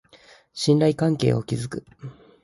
信頼関係を築く